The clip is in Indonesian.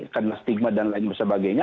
karena stigma dan lain sebagainya